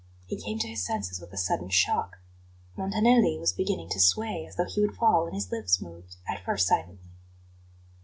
He came to his senses with a sudden shock. Montanelli was beginning to sway as though he would fall, and his lips moved, at first silently.